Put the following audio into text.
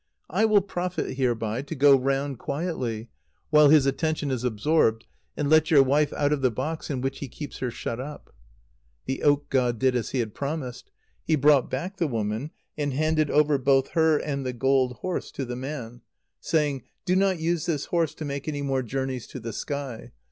I will profit hereby to go round quietly, while his attention is absorbed, and let your wife out of the box in which he keeps her shut up." The oak god did as he had promised. He brought back the woman, and handed over both her and the gold horse to the man, saying: "Do not use this horse to make any more journeys to the sky.